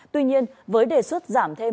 tuy nhiên với đề xuất giảm thêm